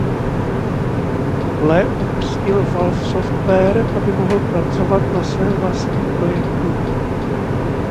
Le opustil Valve Software aby mohl pracovat na svém vlastním projektu.